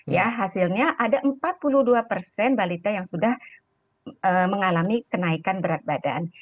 ya hasilnya ada empat puluh dua persen balita yang sudah mengalami kenaikan berat badan